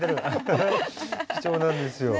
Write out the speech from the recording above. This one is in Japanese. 貴重なんですよ。